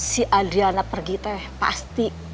si adriana pergi teh pasti